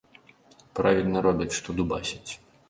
Правільна робяць, што дубасяць.